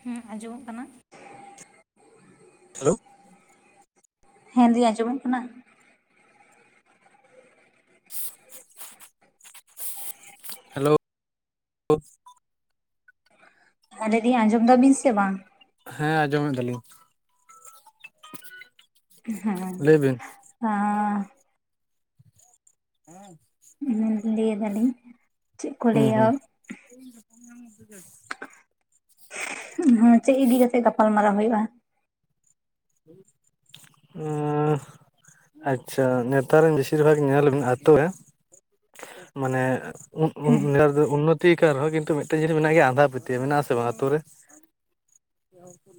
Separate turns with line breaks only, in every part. ᱦᱮᱸ ᱟᱸᱡᱚᱢᱚᱜ ᱠᱟᱱᱟ
ᱦᱮᱞᱳ
ᱦᱮᱸᱫᱤᱭ-ᱟᱸᱡᱚᱢᱚᱠ ᱠᱟᱱᱟ
ᱦᱮᱞ-ᱳ
[unintelligible] ᱫᱤ-ᱟ ᱟᱸᱡᱚᱢ ᱫᱟᱵᱤᱱ ᱥᱮ ᱵᱟᱝ
ᱦᱮᱸ ᱟᱸᱡᱚᱢ-ᱮᱫ ᱫᱟᱞᱤᱧ [inaudible]
[unintelligible] ᱦᱮᱸ
ᱞᱟᱹᱭ ᱵᱤᱱ
ᱟ
[inaudible]
ᱞᱟᱹᱭ ᱫᱟᱞᱤᱧ ᱪᱮᱫ ᱠᱚ ᱞᱟᱹᱭᱟ
ᱦᱩᱸ-ᱦᱩᱸ
ᱦᱮᱸᱳ ᱪᱮᱫ ᱤᱫᱤ ᱠᱟᱛᱮᱜ ᱜᱟᱯᱟᱞ ᱢᱟᱨᱟᱣ ᱦᱩᱭᱩᱜᱼᱟ
ᱳᱸᱳᱸᱷ ᱟᱪᱪᱷᱟ ᱱᱮᱛᱟᱨ ᱨᱮᱱ ᱵᱮᱥᱤᱨ ᱵᱷᱟᱜᱽ ᱧᱮᱞ ᱢ-ᱟᱛᱳ ᱨᱮ ᱢᱟᱱᱮ
ᱦᱮᱸ
ᱩᱸᱱ-ᱩᱱ ᱩᱸᱱᱚᱛᱤ ᱠᱟᱱ ᱨᱮᱦᱚᱸ ᱠᱤᱱᱛᱩ ᱢᱤᱫᱴᱮᱱ ᱡᱤᱱᱤᱥ ᱢᱮᱱᱟᱜ ᱜᱮᱭᱟ ᱟᱸᱱᱫᱷᱟ ᱯᱟᱹᱛᱭᱟᱹᱣ ᱢᱮᱱᱟᱜᱼᱟ ᱟᱥᱮ ᱵᱟᱝ ᱟᱛᱳ ᱨᱮ ᱡ ᱠᱚ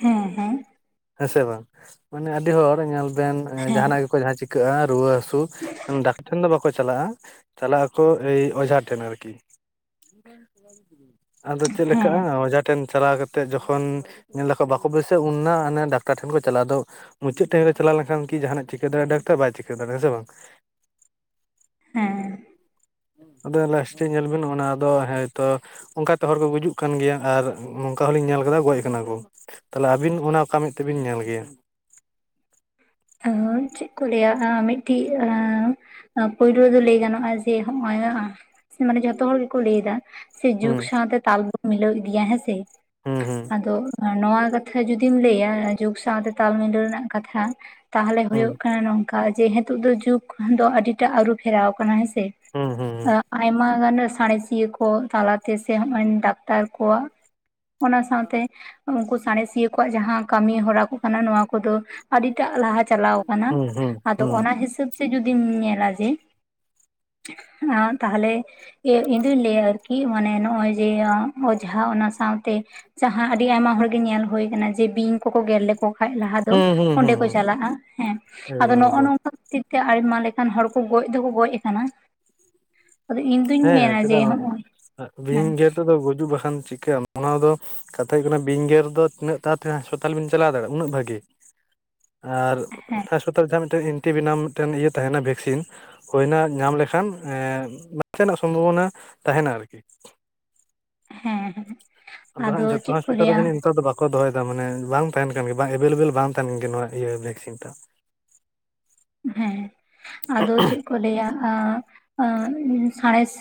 ᱦᱮᱸ ᱦᱮᱸ
[inaudible] ᱦᱮᱸᱥᱮ ᱵᱟᱝ ᱢᱟᱱᱮ ᱟᱹᱰᱤ ᱦᱚᱲ ᱧᱮᱞ ᱵᱮᱱ ᱡᱟᱦᱟᱱᱟᱜ ᱜᱤ ᱠᱚ ᱡᱟᱦᱟᱸ ᱪᱤᱠᱟᱹᱜᱼᱟ ᱨᱩᱣᱟᱹ ᱦᱟᱹᱥᱩ ᱰᱟᱠᱴᱟᱨ ᱴᱷᱮᱱ ᱫᱚ ᱵᱟᱠᱩ ᱪᱟᱞᱟᱜᱼᱟ ᱪᱟᱞᱟᱜ ᱟᱠᱩ ᱟᱹᱭ ᱚᱡᱷᱟ ᱴᱷᱮᱱ ᱟᱨᱠᱤ [inaudible] ᱟᱫᱚ ᱪᱮᱫ ᱞᱮᱠᱟ
ᱦᱮᱸ
ᱚᱡᱷᱟ ᱴᱷᱮᱱ ᱪᱟᱞᱟᱣ ᱠᱟᱛᱮᱫ ᱮᱱᱛᱮ ᱡᱚᱠᱷᱚᱱ ᱧᱮᱞ ᱫᱟᱠᱚ ᱵᱟᱠᱚ ᱵᱟᱹᱥᱩᱟ ᱩᱱᱟ ᱟᱱᱮ ᱰᱟᱠᱴᱟᱨ ᱴᱷᱮᱱ ᱠᱚ ᱪᱟᱞᱟᱜᱼᱟ ᱟᱫᱚ ᱢᱩᱪᱟᱹᱫ ᱴᱟᱭᱤᱢ ᱨᱮ ᱪᱟᱞᱟᱣ ᱞᱮᱱ ᱠᱷᱟᱱ ᱠᱤ ᱡᱟᱦᱟᱱᱟᱜ ᱪᱤᱠᱟᱹ ᱫᱟᱲᱭᱟᱜ ᱰᱟᱠᱴᱨ ᱵᱟᱭ ᱪᱤᱠᱟᱹ ᱫᱟᱲᱮᱭᱟᱜᱼᱟᱸ ᱥᱮ ᱵᱟᱝ
ᱦᱮᱸ
ᱟᱫᱚ ᱞᱟᱥᱴᱤ ᱧᱮᱞ ᱵᱤᱱ ᱚᱱᱟ ᱟᱫᱚ ᱦᱮᱭᱛᱚ ᱚᱱᱠᱟ ᱛᱮ ᱦᱚᱲ ᱠᱩ ᱜᱩᱡᱩᱜ ᱠᱟᱱ ᱜᱮᱭᱟ ᱟᱨ ᱱᱚᱝᱠᱟ ᱦᱚᱞᱤᱧ ᱧᱮᱞ ᱟᱠᱟᱫᱟ ᱜᱚᱡ ᱟᱠᱟᱱᱟ ᱠᱚ ᱛᱟᱦᱞᱮ ᱟᱹᱵᱤᱱ ᱚᱱᱟ ᱚᱠᱟ ᱢᱮᱫ ᱛᱮᱵᱤᱱ ᱧᱮᱞ ᱠᱮᱭᱟ
ᱦᱳ ᱪᱮᱫ ᱠᱚ ᱞᱟᱹᱭ-ᱟ ᱢᱤᱫᱛᱤ-ᱟᱸ ᱯᱳᱭᱞᱳ ᱫᱚ ᱞᱟᱹᱭ ᱜᱟᱱᱚᱜᱼᱟ ᱡᱮ ᱱᱚᱜ ᱚᱭ ᱢᱟᱱᱮ ᱡᱷᱚᱛᱚ ᱦᱚᱲ ᱜᱮᱠᱚ ᱞᱟᱹᱭ ᱮᱫᱟ ᱥᱮ
ᱦᱩᱸ
ᱡᱩᱜᱽ ᱥᱟᱶᱛᱮ ᱛᱟᱞ ᱵᱚᱱ ᱢᱤᱞᱟᱹᱣ ᱤᱫᱤᱭᱟ ᱦᱮᱸᱥᱮ
ᱦᱩᱸ ᱦᱩᱸ
ᱟᱫᱚ ᱱᱚᱶᱟ ᱠᱟᱛᱷᱟ ᱡᱩᱚᱫᱤᱢ ᱞᱟᱹᱭᱟ ᱡᱩᱜᱽ ᱥᱟᱶᱛᱮ ᱛᱟᱞ ᱢᱤᱞᱟᱹᱣ ᱨᱮᱱᱟᱜ ᱠᱟᱛᱷᱟ ᱛᱟᱦᱚᱞᱮ ᱦᱩᱭᱩᱜ ᱠᱟᱱᱟ ᱱᱚᱝᱠᱟ ᱡᱮ ᱱᱤᱛᱚᱜ ᱫᱚ ᱡᱩᱜ ᱫᱚ ᱟᱹᱰᱤᱴᱟᱜ ᱟᱹᱨᱩ ᱯᱷᱮᱨᱟᱣ ᱟᱠᱟᱱᱟ ᱦᱮᱸ ᱥᱮ
ᱦᱩᱸ ᱦᱩᱸ
ᱟᱭᱢᱟ ᱜᱟᱱ ᱥᱟᱬᱮᱥᱤᱭᱟᱹ ᱠᱚ ᱛᱟᱞᱟᱛᱮ ᱥᱮ ᱦᱚᱸᱜᱼᱚᱭ ᱰᱟᱠᱴᱟᱨ ᱠᱚᱣᱟᱜ ᱚᱱᱟ ᱥᱟᱶ-ᱛᱮ ᱩᱱᱠᱩ ᱥᱟᱬᱮᱥᱤᱭᱟᱹ ᱠᱚᱣᱟᱜ ᱡᱟᱦᱟᱸ ᱠᱟᱢᱤ ᱦᱚᱨᱟ ᱠᱚ ᱠᱟᱱᱟ ᱱᱚᱣᱟ ᱠᱚᱫᱚ ᱟᱹᱰᱤᱴᱟᱜ ᱞᱟᱦᱟ ᱪᱟᱞᱟᱣ ᱠᱟᱱᱟ
ᱦᱩᱸ ᱦᱩᱸ
ᱟᱫᱚ
ᱦᱩᱸ
ᱚᱱᱟ ᱦᱤᱥᱟᱹᱵ ᱛᱮ ᱡᱩᱫᱤᱢ ᱧᱮᱞᱟ ᱡᱮ ᱟᱸ ᱛᱟᱦᱚᱞᱮ ᱤᱧ ᱫᱩᱧ ᱞᱟᱹᱭᱟ ᱟᱨ ᱠᱤ ᱢᱟᱱᱮ ᱱᱚᱜ-ᱚᱭ ᱡᱮ ᱚᱡᱷᱟ ᱚᱱᱟ ᱥᱟᱶᱛᱮ ᱡᱟᱦᱟᱸ ᱟᱹᱰᱤ ᱟᱭᱢᱟ ᱦᱚᱲ ᱜᱮ ᱧᱮᱞ ᱦᱩᱭ ᱟᱠᱟᱱᱟ ᱡᱮ ᱵᱤᱧ ᱠᱚᱠᱚ ᱜᱮᱨ ᱞᱮᱠ ᱠᱚ ᱠᱷᱟᱡ ᱞᱟᱦᱟ
ᱦᱩᱸ ᱦᱩᱸ
ᱫᱚ
ᱦᱩᱸ ᱦᱩᱸ
ᱚᱸᱰᱮ
ᱦᱩᱸ
ᱠᱚ
ᱦᱩᱸ
ᱪᱟᱞᱟᱜᱼᱟ ᱦᱮᱸ
ᱮᱠᱫᱚᱢ
ᱟᱫᱚ
ᱮᱠᱫᱚᱢ
ᱱᱚᱜᱼᱚᱷ ᱱᱚᱝᱠᱟ ᱛᱤᱠ-ᱟ ᱟᱭᱢᱟ ᱞᱮᱠᱟᱱ ᱦᱚᱲ ᱠᱚ ᱜᱚᱡ ᱫᱚᱠᱚ ᱜᱚᱡ ᱟᱠᱟᱱᱟ ᱟᱫᱚ ᱤᱱᱫᱧ
ᱦᱮᱸ ᱪᱮᱫᱟᱜ ᱵᱟᱸᱜ-ᱟ ᱵᱤᱧ ᱜᱮᱨ ᱛᱮᱫᱚ ᱜᱩᱡᱩᱜ ᱵᱟᱠᱷᱟᱱ ᱪᱤᱠᱟᱹᱜ ᱟᱢ ᱚᱱᱟ ᱫᱚ ᱠᱟᱛᱷᱟ ᱦᱩᱭᱩᱜ ᱠᱟᱱᱟ ᱵᱤᱧᱜᱮᱨ ᱫᱚ ᱛᱤᱱᱟᱹᱜ ᱛᱟᱲᱛᱤ ᱦᱟᱥᱯᱟᱛᱟᱞ ᱵᱤᱱ ᱪᱟᱞᱟᱣ ᱫᱟᱲᱮᱭᱟᱜᱼᱟ ᱩᱱᱟᱹᱜ ᱵᱷᱟᱜᱤ ᱟᱨ
ᱦᱮᱸ
ᱦᱟᱸᱥᱯᱟᱛᱟᱞ ᱡᱟᱦᱟᱸ ᱢᱤᱫᱴᱮᱱ ᱛᱤ ᱵᱮᱱᱟᱢ ᱢᱤᱫᱴᱮᱱ ᱤᱭᱟᱹ ᱛᱟᱦᱮᱱᱟ ᱵᱷᱮᱠᱥᱤᱱ ᱦᱩᱭᱱᱟ ᱧᱟᱢ ᱞᱮᱠᱷᱟᱱ ᱮᱱᱠᱟ-ᱱᱟ ᱥᱚᱢᱵᱷᱚᱵᱚᱱᱟ ᱛᱟᱦᱮᱱᱟ ᱟᱨᱠᱤ
ᱦᱮᱸᱻᱦᱮᱸ
ᱟᱫᱚ ᱡᱚᱛᱚ ᱦᱟᱥᱯᱤᱛᱟᱞ ᱨᱮᱜᱤ ᱧᱤᱛᱚ ᱫᱚ ᱵᱟᱠ ᱠᱚ ᱫᱚᱦᱚᱭᱮᱫᱟ ᱢᱟᱱᱮ ᱵᱟᱝ ᱛᱟᱦᱮᱱ ᱠᱟᱱ ᱜᱮ ᱵᱟᱝ ᱮᱵᱮᱞᱮᱵᱮᱞ ᱵᱟᱝ ᱛᱟᱦᱮᱱ ᱠᱟᱱ ᱜᱮ ᱱᱚᱣᱟ ᱤᱭᱟᱹ ᱵᱷᱮᱠᱥᱤᱱ ᱛᱟ
ᱦᱮᱸ ᱟᱫᱚ ᱪᱮᱫᱠᱩ ᱞᱟᱹᱭᱟ ᱥᱟᱬᱮᱥ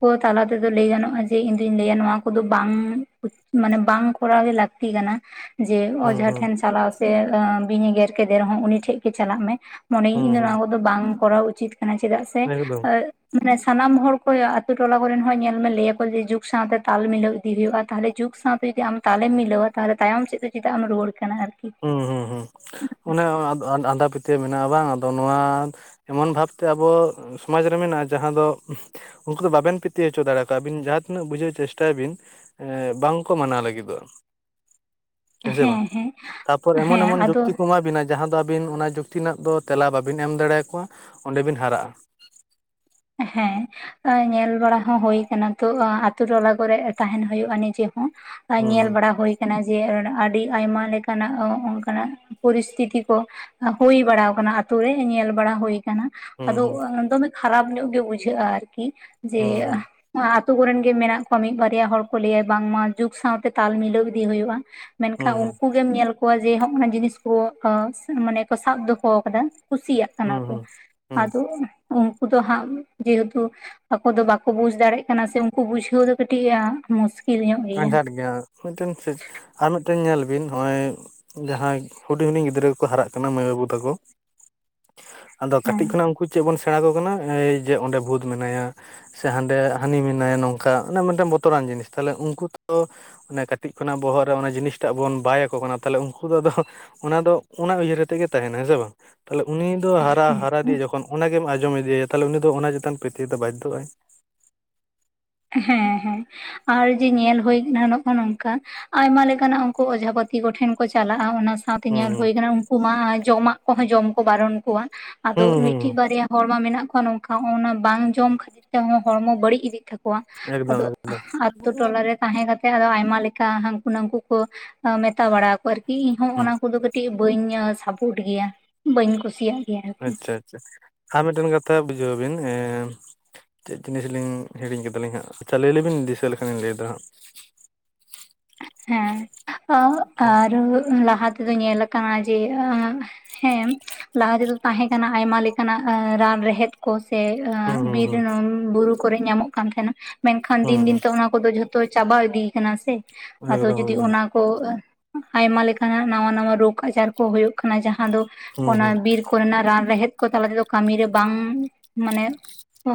ᱠᱚ ᱛᱟᱞᱟ ᱛᱮᱫᱚ ᱞᱟᱹᱭ ᱜᱟᱱᱚᱜᱼᱟ ᱡᱮ ᱤᱧ ᱫᱩᱧ ᱞᱟᱹᱭᱟ ᱱᱚᱣᱟ ᱠᱚᱫᱚ ᱵᱟᱝ ᱢᱟᱱᱮ ᱵᱟᱝ ᱠᱚᱨᱟᱣ ᱜᱮ ᱞᱟᱹᱠᱛᱤ᱾ ᱞᱟᱹᱠᱛᱤ ᱠᱟᱱᱟ᱾ ᱡᱮ
ᱦᱩᱸ
ᱚᱡᱷᱟ
ᱦᱩᱸ
ᱴᱷᱮᱱ ᱪᱟᱞᱟᱣ ᱥᱮ ᱵᱤᱧ ᱮ ᱜᱮᱨ ᱠᱮᱫ ᱨᱮᱦᱚᱸ ᱩᱱᱤ ᱴᱷᱮᱱ ᱜᱮ ᱪᱟᱞᱟᱜ ᱢᱮ᱾ ᱢᱚᱱᱮ ᱤᱧ
ᱦᱩᱸ
ᱫᱚ ᱱᱚᱣᱟ ᱠᱚᱫᱚ ᱵᱟᱝ ᱠᱚᱨᱟᱣ ᱩᱪᱤᱛ ᱠᱟᱱᱟ ᱪᱮᱫᱟᱜ ᱥᱮ
ᱦᱩᱸ ᱮᱠᱫᱚᱢ
[inaudible] ᱢᱟᱱᱮ ᱥᱟᱱᱟᱢ ᱦᱚᱲ ᱠᱚ ᱟᱛᱳ ᱴᱚᱞᱟ ᱠᱚᱨᱮᱱ ᱦᱚᱸ ᱧᱮᱞ ᱢᱮ ᱞᱟᱹᱭᱟ ᱠᱚ ᱡᱮ ᱡᱩᱜᱽ ᱥᱟᱶᱛᱮ ᱛᱟᱞ ᱢᱤᱞᱟᱹᱣ ᱤᱫᱤ ᱦᱩᱭᱩᱜᱜᱼᱟ ᱛᱚᱞᱮ ᱡᱩᱜᱽ ᱥᱟᱶᱛᱮ ᱡᱩᱫᱤ ᱟᱢ ᱛᱟᱦᱮᱢ ᱢᱤᱞᱟᱹᱣᱟ ᱛᱟᱦᱚᱞᱮ ᱛᱟᱭᱚᱢ ᱥᱮᱫ ᱫᱚ ᱪᱮᱫᱟᱜ ᱮᱢ ᱨᱩᱣᱟᱹᱲ ᱠᱟᱱᱟ ᱟᱨᱠᱤ᱾
ᱦᱩᱸ ᱦᱩᱸ ᱦᱩᱸ ᱚᱱᱮ ᱟᱸᱫᱷᱟ ᱯᱟᱹᱛᱭᱟᱹᱣ ᱢᱮᱱᱟᱜᱼᱟ ᱵᱟᱝ ᱟᱫᱚ ᱱᱚᱣᱟ ᱮᱢᱚᱱ ᱵᱷᱟᱵᱛᱮ ᱟᱵᱚ ᱥᱚᱢᱟᱡᱽ ᱨᱮ ᱢᱮᱱᱟᱜᱼᱟ ᱡᱟᱦᱟᱸ ᱫᱚ ᱩᱱᱠᱩ ᱫᱚ ᱵᱟᱵᱮᱱ ᱯᱤᱛᱤᱭᱟᱣ ᱦᱚᱪᱚ ᱫᱟᱲᱮ ᱠᱣᱟ ᱟᱵᱤᱱ ᱡᱟᱦᱟᱸ ᱛᱤᱱᱟᱹᱜ ᱵᱩᱡᱷᱟᱹᱣ ᱪᱮᱥᱴᱟᱭᱟ ᱵᱤᱱ᱾ ᱵᱟᱝᱠᱚ ᱢᱟᱱᱟᱣ ᱞᱟᱹᱜᱤᱫᱚᱜᱼᱟ᱾
ᱦᱮᱸ ᱦᱮᱸ
ᱛᱯᱚᱨ ᱮᱢᱚᱱ
ᱦᱮᱸ
ᱮᱢᱚᱱ
ᱟᱫᱚ
ᱡᱩᱠᱛᱤ ᱠᱚ ᱮᱢᱟ ᱵᱤᱱᱟ ᱡᱟᱦᱟᱸ ᱫᱚ ᱟᱹᱵᱤᱱ ᱚᱱᱟ ᱡᱩᱠᱛᱤ ᱨᱮᱱᱟᱜ ᱫᱚ ᱛᱮᱞᱟ ᱵᱟᱵᱤᱱ ᱮᱢ ᱫᱟᱲᱮᱭᱟᱠᱚᱣᱟ ᱚᱸᱰᱮ ᱵᱤᱱ ᱦᱟᱨᱟᱜᱼᱟ᱾
ᱦᱮᱸ ᱧᱮᱞ ᱵᱟᱲᱟ ᱦᱚᱸ ᱦᱩᱭ ᱠᱟᱱᱟ ᱛᱚ ᱟᱛᱳ ᱴᱚᱞᱟ ᱠᱚᱨᱮᱜ ᱛᱟᱦᱮᱱ ᱦᱩᱭᱩᱜᱼᱟ ᱱᱤᱡᱮ ᱦᱚᱸ ᱧᱮᱞ
ᱦᱩᱸ
ᱵᱟᱲᱟ ᱦᱩᱭ ᱟᱠᱟᱱᱟ ᱡᱮ ᱟᱹᱰᱤ ᱟᱭᱢᱟ ᱞᱮᱠᱟᱱᱟᱜ ᱚᱱᱠᱟᱱᱟᱜ ᱯᱚᱨᱤᱥᱛᱷᱤᱛᱤ ᱠᱚ᱾ ᱦᱩᱭ ᱵᱟᱲᱟ ᱟᱠᱟᱱᱟ ᱟᱛᱳ ᱨᱮ ᱧᱮᱞ ᱵᱟᱲᱟ ᱦᱩᱭ ᱟᱠᱟᱱᱟ᱾
ᱦᱩᱸ
ᱟᱫᱚ ᱫᱚᱢᱮ ᱠᱷᱟᱨᱟᱯ ᱧᱚᱜ ᱜᱮ ᱵᱩᱡᱷᱟᱹᱜᱼᱟ᱾ ᱟᱨᱠᱤ ᱡᱮ
ᱦᱩᱸ
ᱟᱛᱳ ᱠᱚ ᱨᱮᱱ ᱜᱮ ᱢᱮᱱᱟᱜ ᱠᱚᱣᱟ ᱢᱤᱫ ᱵᱟᱨᱭᱟ ᱦᱚᱲ ᱠᱚ ᱞᱟᱹᱭᱟ ᱵᱟᱝᱢᱟ ᱡᱩᱜ ᱥᱟᱶᱛᱮ ᱛᱟᱞ ᱢᱤᱞᱟᱹᱣ ᱤᱫᱤ ᱦᱩᱭᱩᱜᱼᱟ᱾
ᱦᱩᱸ
ᱢᱮᱱᱠᱷᱟᱱ ᱩᱱᱠᱩ ᱜᱮᱢ ᱧᱮᱞ ᱠᱚᱣᱟ ᱡᱮ ᱦᱚᱜᱼᱱᱟ ᱡᱤᱱᱤᱥ ᱠᱚ ᱢᱟᱱᱮ ᱠᱚ ᱥᱟᱵ ᱫᱚᱦᱚ ᱟᱠᱟᱫᱟ ᱠᱩᱥᱤᱭᱟᱜ ᱠᱟᱱᱟ
ᱦᱩᱸ
ᱠᱚ᱾
ᱦᱩᱸ ᱦᱩᱸ
ᱟᱫᱚ ᱩᱱᱠᱩ ᱛᱚ ᱦᱟᱸᱜ ᱡᱮᱦᱮᱛᱩ ᱟᱠᱚ ᱫᱚ ᱵᱟᱠᱚ ᱵᱩᱡ ᱫᱟᱲᱮᱭᱟᱜ ᱠᱟᱱᱟ ᱥᱮ ᱩᱱᱠᱩ ᱵᱩᱡᱷᱟᱹᱣ ᱫᱚ ᱠᱟᱹᱴᱤᱡ ᱢᱩᱥᱠᱤᱞ᱾
ᱟᱸᱡᱷᱟᱸᱴ ᱜᱮᱭᱟ ᱢᱤᱫᱴᱮᱱ ᱟᱨ ᱢᱤᱫᱴᱮᱱ ᱧᱮᱞ ᱵᱤᱱ ᱱᱚᱜᱼᱚᱭ ᱡᱟᱦᱟᱸᱭ ᱦᱩᱰᱤᱧ ᱦᱩᱰᱤᱧ ᱜᱤᱫᱽᱨᱟᱹ ᱠᱚᱠᱚ ᱦᱟᱨᱟᱜ ᱠᱟᱱᱟ ᱢᱟᱹᱭ ᱵᱟᱹᱵᱩ ᱛᱟᱠᱚ᱾ ᱟᱫᱚ
ᱦᱮᱸ
ᱠᱟᱹᱴᱤᱡ ᱠᱷᱚᱱᱟᱜ ᱩᱱᱠᱩ ᱪᱮᱫ ᱵᱚᱱ ᱥᱮᱬᱟ ᱠᱚ ᱠᱟᱱᱟ ᱡᱮ ᱚᱸᱰᱮ ᱵᱷᱩᱛ ᱢᱮᱱᱟᱭᱟ᱾ ᱥᱮ ᱦᱟᱸᱰᱮ ᱦᱟᱹᱱᱤ ᱢᱮᱱᱟᱭ ᱱᱚᱝᱠᱟ ᱢᱤᱫᱴᱮᱱ ᱵᱚᱛᱚᱨᱟᱱ ᱡᱤᱱᱤᱥ ᱛᱟᱦᱚᱞᱮ ᱩᱱᱠᱩ ᱛᱚ ᱚᱱᱮ ᱠᱟᱹᱴᱤᱡ ᱠᱷᱚᱱᱟᱜ ᱵᱚᱦᱚᱜ ᱨᱮ ᱚᱱᱟ ᱡᱤᱱᱤᱥᱴᱟᱜ ᱵᱚᱱ ᱵᱟᱭ ᱟᱠᱚ ᱠᱟᱱᱟ ᱛᱟᱦᱚᱞᱮ ᱩᱱᱠᱩ ᱫᱚ ᱟᱫᱚ ᱚᱱᱟ ᱫᱚ ᱚᱱᱟ ᱩᱭᱦᱟᱹᱨᱟ ᱛᱮᱜᱮ ᱛᱟᱦᱮᱸᱱᱟ ᱦᱮᱸ ᱥᱮ ᱵᱟᱝ? ᱛᱟᱦᱞᱮ ᱩᱱᱤ ᱫᱚ ᱦᱟᱨᱟ ᱦᱟᱨᱟᱫᱮ ᱡᱚᱠᱷᱚᱱ ᱚᱱᱟᱜᱮᱢ ᱟᱸᱡᱚᱢ ᱮᱭᱟ ᱛᱟᱦᱚᱞᱮ ᱩᱱᱤ ᱫᱚ ᱚᱱᱟ ᱪᱮᱛᱟᱱ ᱯᱟᱹᱛᱭᱟᱹᱣ ᱛᱮ ᱵᱟᱫᱽᱫᱷᱚᱜ ᱟᱭ᱾
ᱦᱮᱸ ᱦᱮᱸ ᱟᱨ ᱡᱮ ᱧᱮᱞ ᱦᱩᱭ ᱮᱱᱟ ᱱᱚᱜᱼᱚᱭ ᱱᱚᱝᱠᱟ᱾ ᱟᱭᱢᱟ ᱞᱮᱠᱟᱱᱟᱜ ᱩᱱᱠᱩ ᱚᱡᱷᱟᱯᱟᱛᱤ ᱠᱚᱴᱷᱮᱱ ᱠᱚ ᱪᱟᱞᱟᱜᱼᱟ᱾ ᱥᱟᱶᱛᱮ
ᱦᱩᱸ
ᱧᱮᱞ ᱦᱳᱭ ᱠᱟᱱᱟ ᱩᱱᱠᱩ ᱢᱟ ᱡᱚᱢᱟᱜ ᱠᱚᱦᱚᱸ ᱡᱚᱢ ᱠᱚ ᱵᱟᱨᱚᱱ ᱠᱚᱣᱟ ᱟᱫᱚ
ᱦᱩᱸ ᱦᱩᱸ
ᱢᱤᱫ ᱴᱮᱡ
ᱦᱩᱸ
ᱵᱟᱨᱭᱟ ᱦᱚᱲᱢᱟ ᱢᱮᱱᱟᱜ ᱠᱚᱣᱟ ᱱᱚᱝᱠᱟ ᱚᱱᱟ ᱵᱟᱝ ᱡᱚᱢ ᱠᱷᱟᱹᱛᱤᱨ ᱛᱮᱦᱚᱸ ᱦᱚᱲᱢᱚ ᱵᱟᱹᱲᱤᱡ ᱤᱫᱤᱜ ᱛᱟᱠ
ᱮᱠᱫᱚᱢ
ᱟᱫᱚ
ᱮᱠᱫᱚᱢ
ᱟᱛᱩ ᱴᱚᱞᱟ ᱨᱮ ᱛᱟᱦᱮᱸ ᱠᱟᱛᱮ ᱟᱭᱢᱟ ᱞᱮᱠᱟ ᱦᱟᱹᱱᱠᱩ ᱱᱟᱝᱠᱩ ᱠᱚ ᱢᱮᱛᱟ ᱵᱟᱲᱟ ᱟᱠᱚᱣᱟ ᱟᱨᱠᱤ ᱤᱧᱦᱚᱸ
ᱦᱩᱸ
ᱚᱱᱟ ᱠᱚᱫᱚ ᱠᱟᱹᱴᱤᱡ ᱠᱤ ᱵᱟᱹᱧ ᱥᱟᱯᱳᱨᱴ ᱜᱮᱭᱟ ᱵᱟᱹᱧ ᱠᱩᱥᱤᱭᱟᱜ ᱜᱮᱭᱟ ᱟᱨᱠᱤ
ᱟᱪᱪᱷᱟ ᱟᱪᱪᱷᱟ ᱟᱨ ᱢᱤᱫᱴᱮᱱ ᱠᱟᱛᱷᱟ ᱵᱩᱡᱷᱟᱹᱣ ᱵᱤᱱ ᱪᱮᱫ ᱡᱤᱱᱤᱥ ᱞᱤᱧ ᱦᱤᱲᱤᱧ ᱠᱮᱫᱟᱞᱤᱧ ᱦᱟᱸᱜ ᱟᱪᱪᱷᱟ ᱞᱟᱹᱭ ᱞᱮᱵᱤᱱ ᱫᱤᱥᱟᱹ ᱞᱮᱠᱷᱟᱱᱤᱧ ᱞᱟᱹᱭᱫᱟ ᱦᱟᱸᱜ᱾
ᱦᱮᱸ ᱟᱨ ᱞᱟᱦᱟ ᱛᱮᱫᱚ ᱧᱮᱞ ᱠᱟᱱᱟ ᱡᱮ ᱦᱮᱸ ᱞᱟᱦᱟ ᱛᱮᱫᱚ ᱛᱟᱦᱮᱸ ᱠᱟᱱᱟ ᱟᱭᱢᱟ ᱞᱮᱠᱟᱱᱟᱜ ᱨᱟᱱ ᱨᱮᱦᱮᱫ᱾ ᱠᱚ ᱥᱮ
ᱦᱩᱸ ᱦᱩᱸ
ᱵᱤᱨ
ᱦᱩᱸ
ᱵᱩᱨᱩ ᱠᱚᱨᱮ ᱧᱟᱢᱚᱜ ᱠᱟᱱ ᱛᱟᱦᱮᱸᱱᱟ ᱢᱮᱱᱠᱷᱟᱱ
ᱦᱩᱸ
ᱫᱤᱱ
ᱦᱩᱸ
ᱫᱤᱱ ᱛᱮ ᱚᱱᱟ ᱠᱚᱫᱚ ᱡᱚᱛᱚ ᱛᱚ ᱪᱟᱵᱟ ᱤᱫᱤ ᱠᱟᱱᱟ ᱥᱮ ᱟᱫᱚ
ᱮᱠᱫᱚᱢ
ᱡᱩᱫᱤ
ᱮᱠᱫᱚᱢ
ᱚᱱᱟ ᱠᱚ ᱟᱭᱢᱟ ᱞᱮᱠᱟᱱᱟᱜ ᱱᱟᱣᱟ ᱱᱟᱣᱟ ᱨᱳᱜᱽ ᱟᱡᱟᱨ ᱠᱚ ᱦᱩᱭᱩᱜ ᱠᱟᱱᱟ ᱡᱟᱦᱟᱸ ᱫᱚ
ᱦᱩᱸ ᱦᱩᱸ
ᱚᱱᱟ ᱵᱤᱨ ᱠᱚᱨᱮᱱᱟᱜ ᱨᱟᱱ ᱨᱮᱦᱮᱫ ᱠᱚ ᱛᱟᱞᱟ ᱛᱮᱫᱚ ᱠᱟᱹᱢᱤᱨᱮ ᱵᱟᱝ ᱢᱟᱱᱮ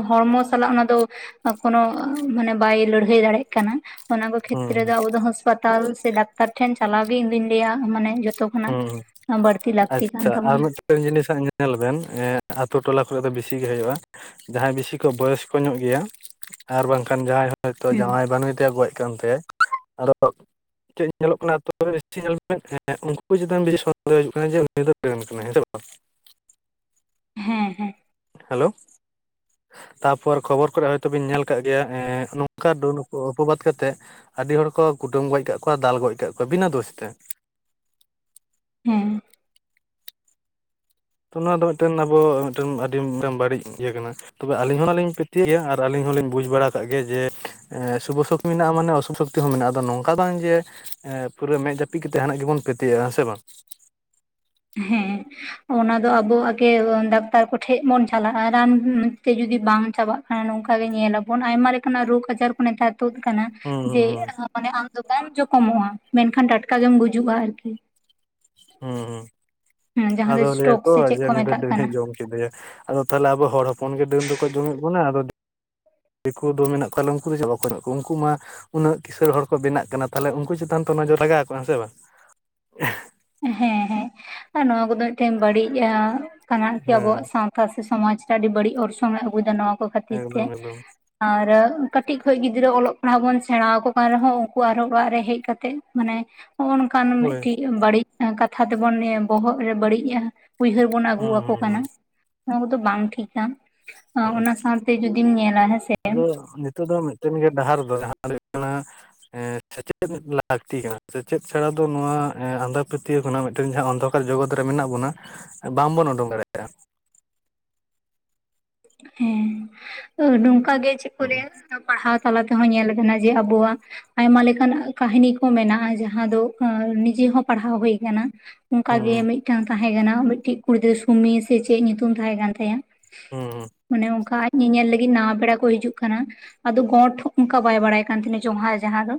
ᱦᱚᱲᱢᱚ ᱥᱟᱞᱟᱜ ᱚᱱᱟ ᱫᱚ ᱠᱳᱱᱳ ᱢᱟᱱᱮ ᱵᱟᱭ ᱞᱟᱹᱲᱦᱟᱹᱭ ᱫᱟᱲᱭᱟᱜ ᱠᱟᱱᱟ᱾ ᱚᱱᱟ ᱠᱚ
ᱦᱩᱸ
ᱠᱷᱮᱛᱨᱮ
ᱦᱩᱸ
ᱫᱚ ᱟᱵᱚ ᱫᱚ ᱦᱟᱥᱯᱟᱛᱟᱞ ᱥᱮ ᱰᱟᱠᱛᱟᱨ ᱴᱷᱮᱱ ᱪᱟᱞᱟᱣ ᱜᱮ ᱤᱧ ᱫᱩᱧ ᱞᱟᱹᱭᱟ ᱢᱟᱱᱮ ᱡᱚᱛ ᱡᱚᱛᱚ ᱠᱷᱚᱱᱟᱜ
ᱦᱩᱸ
ᱵᱟᱹᱲᱛᱤ ᱞᱟᱹᱠᱛᱤ ᱠᱟᱱ
ᱟᱪᱪᱷᱟ ᱟᱨ
ᱛᱟᱵᱚᱱᱟ
ᱢᱤᱫᱴᱮᱱ ᱡᱤᱱᱤᱥᱟᱜ ᱧᱮᱞ ᱵᱮᱱ ᱟᱛᱳ ᱴᱚᱞᱟ ᱠᱚᱨᱮ ᱫᱚ ᱵᱮᱥᱤᱜ ᱜᱮ ᱦᱩᱭᱩᱜᱼᱟ ᱡᱟᱦᱟᱸᱭ ᱵᱮᱥᱤ ᱠᱚ ᱵᱚᱭᱚᱥᱠᱚ ᱧᱚᱜ ᱜᱮᱭᱟ ᱟᱨ ᱵᱟᱝᱠᱷᱟᱱ ᱡᱟᱦᱟᱸᱭ ᱦᱚᱸ ᱦᱚᱭᱛᱚ
ᱦᱮᱸ
ᱡᱟᱶᱟᱭ ᱵᱟᱹᱱᱩᱭᱮ ᱜᱚᱡ ᱠᱟᱱ ᱛᱟᱭ ᱟᱫᱚ ᱪᱮᱫ ᱧᱮᱞᱚᱜ ᱠᱟᱱᱟ [unintelligible] ᱧᱮᱞ ᱦᱮᱸ [unintelligible] ᱩᱱ ᱪᱮᱛᱟᱱᱚᱱ ᱦᱩᱭᱩᱜ ᱠᱟᱱᱟ ᱠᱟᱱᱟᱭ ᱦᱮᱸ [unintelligible] ᱵᱟᱝ
ᱦᱮᱸ ᱦᱮᱸ
ᱦᱮᱞᱳ ᱛᱟᱯᱚᱨ ᱠᱷᱚᱵᱚᱨ ᱠᱚᱨᱮ ᱦᱚᱭᱛᱚ ᱵᱤᱱ ᱧᱮᱞ ᱠᱟᱜ ᱜᱮᱭᱟ ᱮᱸ ᱱᱚᱝᱠᱟ ᱰᱟᱹᱱ ᱚᱼᱚᱯᱵᱟᱫ ᱠᱟᱛᱮᱜ ᱟᱹᱰᱤ ᱦᱚᱲ ᱠᱚ ᱠᱩᱴᱟᱹᱢ ᱜᱚᱡ ᱠᱟᱜ ᱠᱚᱣᱟ ᱫᱟᱞ ᱜᱚᱡ ᱠᱟᱜ ᱠᱚᱣᱟ ᱵᱤᱱᱟᱹ ᱫᱳᱥ ᱛᱮ
ᱦᱮᱸ
ᱛᱚ ᱱᱚᱣᱟ ᱫᱚ ᱢᱤᱫᱴᱮᱱ ᱟᱵᱚ ᱢᱤᱫᱴᱮᱱ ᱟᱹᱰᱤ ᱢᱤᱴᱟᱝ ᱵᱟᱹᱲᱤᱡ ᱤᱭᱟᱹ ᱠᱟᱱᱟ ᱛᱚᱵᱮ ᱟᱹᱞᱤᱧ ᱦᱚᱞᱤᱧ ᱯᱟᱹᱛᱭᱟᱹᱜ ᱜᱮᱭᱟ ᱟᱨ ᱟᱹᱞᱤᱧ ᱦᱚᱞᱤᱧ ᱵᱩᱡᱽ ᱵᱟᱲᱟ ᱠᱟᱜ ᱜᱮᱭᱟ ᱡᱮ ᱮᱸ ᱥᱩᱵᱚ ᱥᱩᱠ ᱢᱮᱱᱟᱜᱼᱟ ᱢᱟᱱᱮ ᱚᱥᱩᱠ ᱥᱚᱠᱛᱤ ᱦᱚᱸ ᱢᱮᱱᱟᱜᱼᱟ ᱟᱫᱚ ᱱᱚᱝᱠᱟ ᱵᱟᱝ ᱡᱮ [unintelligible] ᱯᱩᱨᱟᱹ ᱢᱮᱸᱫ ᱡᱟᱹᱯᱤᱫ ᱠᱟᱛᱮᱮᱫ ᱡᱟᱦᱱᱟᱜ ᱜᱮᱵᱚᱱ ᱯᱮᱛᱭᱟᱹᱜᱼᱟ ᱦᱮᱸ ᱥᱮ ᱵᱟᱝ
ᱦᱮᱸ ᱚᱱᱟ ᱫᱚ ᱟᱵᱚ ᱮᱠᱮ ᱰᱟᱠᱛᱟᱨ ᱠᱚᱴᱷᱮᱱ ᱵᱚᱱ ᱪᱟᱞᱟᱜᱼᱟ ᱨᱟᱱ ᱛᱮ ᱡᱩᱚᱫᱤ ᱵᱟᱝ ᱪᱟᱵᱟᱜ ᱱᱚᱝᱠᱟ ᱜᱮ ᱧᱮᱞᱟᱵᱚᱱ ᱟᱭᱢᱟ ᱞᱮᱠᱟᱱᱟᱜ ᱨᱳᱜ ᱟᱡᱟᱨ ᱠᱚ ᱱᱮᱛ ᱛᱩᱫ ᱠᱟᱱᱟ
ᱦᱩᱸ ᱦᱩᱸ
ᱡᱮᱟᱱ ᱟᱢ ᱫᱚ ᱵᱟᱢ ᱡᱚᱠᱷᱚᱢᱚᱜᱼᱟ ᱢᱮᱱᱠᱷᱟᱱ ᱴᱟᱴᱠᱟ ᱜᱮᱢ ᱜᱩᱡᱩᱜᱼᱟ ᱟᱨᱠᱤ
ᱦᱩᱸ ᱦᱩᱸ
ᱦᱮᱸ ᱡᱟᱦᱟᱸ ᱫᱚ
ᱟᱫᱚ ᱞᱟᱹᱭᱟ
ᱥᱴᱨᱳᱠ
ᱠᱩ
ᱥᱮ ᱪᱮᱫ
ᱡᱮ
ᱠᱚ
ᱩᱱᱤ ᱫᱚ
ᱢᱮᱛᱟᱜ
ᱰᱟᱹᱱᱮ
ᱠᱟᱱᱟ
ᱡᱚᱢ ᱠᱮᱫᱮᱭᱟ ᱟᱫᱚ ᱛᱟᱦᱚᱞᱮ ᱟᱵᱚ ᱦᱚᱲ ᱦᱚᱯᱚᱱ ᱜᱮ ᱰᱟᱹᱱ ᱫᱚᱠᱚ ᱡᱚᱢᱮᱫ ᱵᱚᱱᱟ ᱟᱫᱚ ᱫᱤᱠᱩ ᱫᱚ ᱢᱮᱱᱟᱜ ᱠᱚᱣᱟᱞᱮ ᱩᱱᱠᱩ ᱫᱚ ᱪᱮᱫ ᱵᱟᱠᱚ ᱦ ᱠᱚᱣᱟ ᱩᱱᱠᱩ ᱢᱟ ᱩᱱᱟᱹᱜ ᱠᱤᱥᱬ ᱦᱚᱲ ᱠᱚ ᱵᱮᱱᱟᱜ ᱠᱟᱱᱟ ᱛᱟᱦᱞᱮ ᱩᱱᱠᱩ ᱪᱮᱛᱟᱱ ᱛᱚ ᱱᱚᱡᱚᱨ ᱞᱟᱜᱟᱣ ᱠᱚᱼᱟ ᱦᱮᱸ ᱥᱮ ᱵᱟᱝ
ᱦᱮᱸ ᱦᱮᱸ ᱟᱨ ᱱᱚᱣᱟ ᱠᱚᱫᱚ ᱢᱤᱫᱴᱮᱱ ᱵᱟᱹᱲᱤᱡ ᱠᱟᱱᱟ ᱠᱤ
ᱦᱮᱸ
ᱟᱵᱚᱣᱟᱜ ᱥᱟᱶ ᱯᱟᱹᱨᱥᱤ ᱥᱚᱢᱟᱡᱽ ᱟᱹᱰᱤ ᱵᱟᱹᱲᱤᱡ ᱚᱨᱥᱚᱝ ᱮ ᱟᱹᱜᱩᱭᱫᱟ ᱱᱚᱣᱟ ᱠᱚ ᱠᱷᱟᱹᱛᱤᱨ ᱛᱮ
ᱮᱠᱫᱚᱢ ᱮᱠᱫᱚᱢ
ᱟᱨ ᱠᱟᱹᱴᱤᱡ ᱠᱷᱚᱱ ᱜᱤᱫᱽᱨᱟᱹ ᱚᱞᱚᱜ ᱯᱟᱲᱦᱟᱜ ᱵᱚᱱ ᱥᱮᱬᱟ ᱟᱠᱠᱚ ᱠᱟᱱ ᱨᱮᱦᱚᱸ ᱩᱱᱠᱩ ᱟᱨᱦᱚᱸ ᱚᱲᱟᱜ ᱨᱮ ᱦᱮᱡ ᱠᱟᱛᱮᱜ ᱢᱟᱱᱮ ᱱᱚᱜ ᱱᱚᱝᱠᱟᱱ
ᱦᱳᱭ
ᱢᱤᱫᱴᱤᱡ ᱵᱟᱹᱲᱤᱡ ᱠᱟᱛᱷᱟ ᱛᱮᱵᱚᱱ ᱵᱚᱦᱚᱜ ᱨᱮ ᱵᱟᱹᱲᱤᱡᱼᱟ ᱩᱭᱦᱟᱹᱨ ᱵᱚᱱ ᱟᱹᱜᱩ
ᱦᱩᱸ
ᱟᱠᱚ
ᱦᱩᱸ
ᱠᱟᱱᱟ
ᱦᱩᱸ
ᱱᱚᱣᱟ ᱠᱚᱫᱚ ᱵᱟᱝ ᱴᱷᱤᱠᱟ
ᱦᱩᱸ
ᱚᱱᱟ ᱥᱟᱶᱛᱮ ᱡᱩᱚᱫᱤᱢ ᱧᱮᱞᱟ ᱦᱮᱸᱥᱮ
ᱟᱫᱚ ᱱᱤᱛᱚᱜ ᱫᱚ ᱢᱤᱫᱴᱮᱱ ᱜᱮ ᱰᱟᱦᱟᱨ ᱫᱚ ᱡᱟᱦᱟᱸ ᱦᱩᱭᱩᱜ ᱠᱟᱱᱟ ᱥᱮᱪᱮᱫ ᱞᱟᱹᱠᱛᱤ ᱠᱟᱱᱟ ᱥᱮᱪᱮᱫ ᱪᱷᱟᱲᱟ ᱫᱚ ᱱᱚᱣᱟ ᱟᱸᱫᱷᱟ ᱯᱟᱹᱛᱭᱟᱹᱣ ᱠᱷᱚᱱᱟᱜ ᱢᱤᱫᱴᱮᱱ ᱡᱟᱦᱟᱸ ᱚᱱᱫᱚ ᱚ ᱡᱚᱜᱚᱛ ᱨᱮ ᱢᱮᱱᱟᱜ ᱵᱚᱱᱟ ᱵᱟᱝᱵᱚᱱ ᱩᱰᱩᱠ ᱫᱟᱲᱮᱭᱟᱜᱼᱟ
ᱦᱮᱸ ᱱᱚᱝᱠᱟ ᱜᱮ ᱪᱮᱫ ᱠᱚ
ᱦᱩᱸ
ᱨᱮᱭᱟᱜ ᱯᱟᱲᱦᱟᱣ ᱛᱟᱞᱟ ᱛᱮᱦᱚᱸ ᱧᱮᱞ ᱠᱟᱱᱟ ᱡᱮ ᱟᱵᱚᱣᱟᱜ ᱟᱭᱢᱟ ᱞᱮᱠᱟᱱ ᱠᱟᱹᱦᱱᱤ ᱠᱚ ᱢᱮᱱᱟᱜᱼᱟ ᱡᱟᱦᱟᱸ ᱫᱚ ᱱᱤᱡᱮ ᱦᱚᱸ ᱯᱟᱲᱦᱟᱣ ᱦᱩᱭ ᱟᱠᱟᱱᱟ ᱚᱱᱠᱟ ᱜᱮ ᱢᱤᱫᱴᱟᱝ ᱛᱟᱦᱮᱸ ᱠᱟᱱᱟᱟᱱᱟ ᱢᱤᱫᱴᱮᱱ ᱠᱩᱲᱤ ᱜᱤᱫᱽᱨᱟᱹ ᱥᱩᱢᱤ ᱥᱮ ᱪᱮᱫ ᱧᱩᱛᱩᱢ ᱛᱟᱦᱮᱸ ᱠᱟᱱ ᱛᱟᱭᱟ
ᱦᱩᱸ ᱦᱩᱸ
ᱢᱟᱱᱮ ᱚᱱᱠᱟ ᱟᱡ ᱧᱮᱧᱮᱞ ᱞᱟᱹᱜᱤᱫ ᱱᱟᱣᱟ ᱯᱮᱲᱟ ᱠᱚ ᱦᱤᱡᱩᱜ ᱠᱟᱱᱟ᱾ ᱟᱫᱚ ᱜᱚᱸᱰ ᱚᱱᱠᱟ ᱵᱟᱭ ᱵᱟᱲᱟᱭ ᱠᱟᱱ ᱛᱟᱦᱮᱸ ᱡᱚᱦᱟ ᱡᱟᱦᱟᱸ ᱫᱚ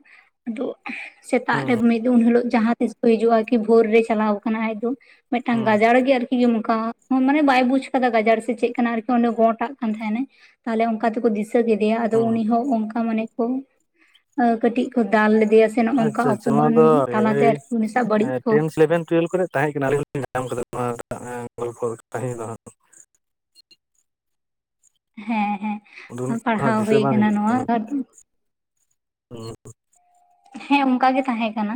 ᱟᱫᱚ᱾
ᱦᱩᱸ
ᱥᱮᱛᱟᱜ ᱨᱮ ᱢᱤᱫ ᱫᱤᱱ ᱩᱱ ᱦᱤᱞᱳᱜ ᱡᱟᱦᱟᱸ ᱛᱤᱥ ᱠᱚ ᱦᱤᱡᱩᱜᱼᱟ ᱠᱤ ᱵᱷᱳᱨ ᱨᱮ ᱪᱟᱞᱟᱣ ᱠᱟᱱᱟ ᱟᱡ ᱫᱚ᱾ ᱢᱤᱫᱴᱟᱝ
ᱦᱩᱸ
ᱜᱟᱡᱟᱲ ᱜᱮ ᱟᱨᱠᱤ ᱚᱱᱠᱟ ᱢᱟᱱᱮ ᱵᱟᱭ ᱵᱩᱡ ᱟᱠᱟᱫᱟ ᱜᱟᱡᱟᱲ ᱥᱮ ᱪᱮᱫ ᱠᱟᱱᱟ ᱟᱨᱠᱤ? ᱚᱸᱰᱮ ᱜᱚᱴᱟᱜ ᱠᱟᱱ ᱛᱟᱦᱮᱱᱟᱭ, ᱛᱟᱦᱞᱮ ᱚᱱᱠᱟ ᱛᱮᱠᱚ ᱫᱤᱥᱟᱹ ᱠᱮᱫᱮᱭᱟ᱾ ᱟᱫᱚ
ᱦᱩᱸ
ᱩᱱᱤ ᱦᱚᱸ ᱚᱱᱠᱟ ᱢᱟᱱᱮ ᱠᱚ ᱟᱫᱚ ᱠᱟᱹᱴᱤᱡ ᱞᱮᱫᱮᱭᱟ ᱥᱮ ᱱᱚᱜ ᱱᱚᱝᱠᱟ
ᱟᱪᱪᱷᱟ ᱟᱪᱪᱷᱟ ᱱᱚᱣᱟ
ᱚᱯᱚᱢᱟᱱ
ᱫᱚ
ᱛᱟᱞᱟᱛᱮ
ᱮᱪ
ᱟᱨᱠᱤ ᱩᱱᱤ ᱥᱟᱶ ᱵᱟᱹᱲᱤᱡ ᱠᱚ
ᱴᱮᱱ ᱥᱞᱮᱵᱷᱮᱱ ᱴᱩᱭᱮᱞᱵᱷ ᱠᱚᱨᱮᱜ ᱛᱟᱦᱮᱸ ᱠᱟᱱᱟ ᱟᱹᱞᱤᱧ ᱦᱚᱸᱞᱤᱧ ᱧᱟᱢ ᱠᱟᱫᱟ ᱱᱚᱣᱟ ᱜᱚᱞᱯᱚ ᱠᱟᱹᱦᱤᱱᱤ ᱫᱚ᱾
ᱦᱮᱸ
ᱟᱫᱚ
ᱦᱮᱸ ᱯᱟᱲᱦᱟᱣ ᱦᱩᱭ ᱟᱠᱟᱱᱟ ᱱᱚᱣᱟ᱾
ᱚ [unintelligible]
ᱦᱮᱸ ᱚᱱᱠᱟ ᱜᱮ ᱛᱟᱦᱮᱸ ᱠᱟᱱᱟ᱾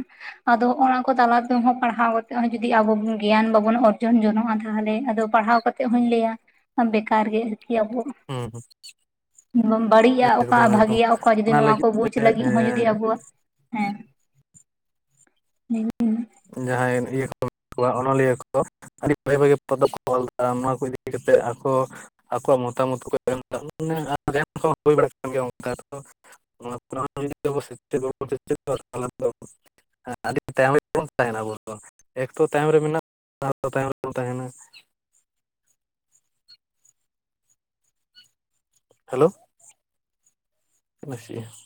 ᱟᱫᱚ ᱚᱱᱟ ᱠᱚ ᱛᱟᱞᱟ ᱛᱮᱦᱚᱸ ᱯᱟᱲᱦᱟᱣ ᱠᱟᱛᱮᱜ ᱦᱚᱸ ᱡᱚᱫᱤ ᱟᱵᱚ ᱜᱮᱭᱟᱱ ᱵᱟᱵᱚᱱ ᱚᱨᱡᱚᱱ ᱡᱚᱱᱚᱜᱼᱟ᱾ ᱛᱟᱦᱚᱞᱮ ᱟᱫᱚ ᱯᱟᱲᱦᱟᱣ ᱠᱟᱛᱮ ᱦᱚᱧ ᱞᱟᱹᱭᱟ ᱵᱮᱠᱟᱨ ᱜᱮ ᱟᱨᱠᱤ ᱟᱵᱚ
ᱦᱚᱸ ᱦᱮᱚᱸ ᱾
ᱵᱟᱹᱲᱤᱡᱼᱟ
ᱦᱮᱸ
ᱚᱠᱟ
ᱮᱠᱫᱚᱢ ᱮᱠᱫᱚᱢ
ᱵᱷᱟᱜᱮᱭᱟ ᱚᱠᱟ ᱡᱩᱫᱤ
ᱚᱱᱟ ᱞᱟᱹᱜᱤᱫ ᱛᱮ ᱮ
ᱦᱮᱸᱜ [inaudible]
ᱡᱟᱦᱟᱸᱭ ᱤᱭᱟᱹ [unintelligible] ᱠᱚ ᱢᱮᱱᱟᱜ ᱠᱚᱣᱟ ᱚᱱᱚᱞᱤᱭᱟᱹ ᱠᱚ ᱟᱹᱰᱤ ᱵᱷᱟᱜᱤ ᱵᱷᱟᱜᱤ ᱯᱚᱛᱚᱵ ᱠᱚ [unintelligible] ᱮᱫᱟ ᱱᱚᱣᱟ ᱠᱚ ᱤᱫᱤ ᱠᱟᱛᱮᱫ ᱟᱠᱚ ᱟᱠᱚᱣᱟᱜ ᱢᱚᱛᱟᱢᱚᱛ ᱠᱚ ᱮᱢ [unintelligible] ᱵᱟᱲᱟ ᱠᱚ ᱦᱚᱸ ᱦᱩᱭ ᱵᱟᱲᱟ ᱠᱟᱱ ᱜᱮᱭᱟ ᱚᱱᱠᱟ ᱫᱚ [unintelligible] ᱛᱟᱭᱚᱢ [inaudible] ᱚᱱ [unintelligible] ᱛᱟᱦᱮᱱᱟ ᱟᱵᱚ ᱫᱚ ᱮᱠᱛᱚ ᱛᱟᱭᱚᱢ ᱨᱮ ᱢᱮᱱᱟᱜ [unintelligible] ᱛᱟᱭᱚᱢ ᱨᱮᱵᱚᱱ ᱛᱟᱦᱮᱱᱟ ᱦᱮᱞᱳ ᱱᱟᱥ [inaudible]